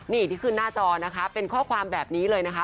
นี่ที่ขึ้นหน้าจอนะคะเป็นข้อความแบบนี้เลยนะคะ